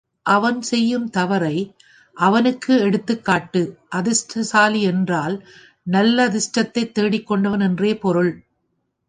அவன் செய்யும் தவறை அவனுக்கு எடுத்துக் காட்டு. அதிர்ஷ்டசாலி என்றால் நல்லதிர்ஷ்டத்தைத் தேடிக்கொண்டவன் என்றே பொருள்.